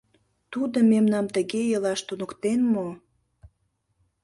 Тудо мемнам тыге илаш туныктен мо?..